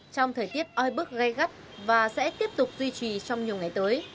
trong thời tiết oi bức gây gắt và sẽ tiếp tục duy trì trong nhiều ngày tới